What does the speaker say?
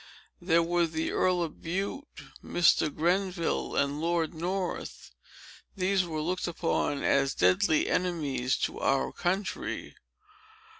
There were the Earl of Bute, Mr. Grenville, and Lord North. These were looked upon as deadly enemies to our country.